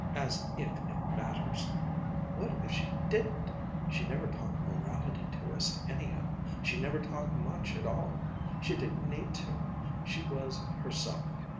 As if it matters! What if she didn't! She never talked morality to us, anyhow. She never talked much at all. She didn't need to. She was herself.